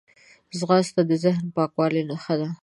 ځغاسته د ذهن پاکوالي نښه ده